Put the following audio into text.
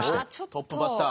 トップバッター。